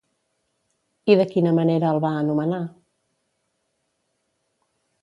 I de quina manera el va anomenar?